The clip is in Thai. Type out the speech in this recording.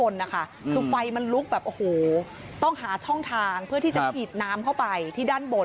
คือไฟมันลุกแบบโอ้โหต้องหาช่องทางเพื่อที่จะฉีดน้ำเข้าไปที่ด้านบน